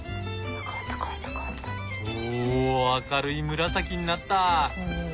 お明るい紫になった！